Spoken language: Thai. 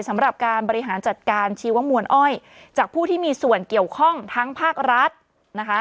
สำหรับการบริหารจัดการชีวมวลอ้อยจากผู้ที่มีส่วนเกี่ยวข้องทั้งภาครัฐนะคะ